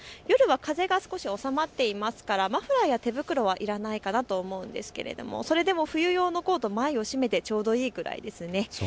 夜は風が少し収まっていますからマフラーや手袋はいらないかなと思いますがそれでもコートは前を閉めてちょうどいいぐらいです。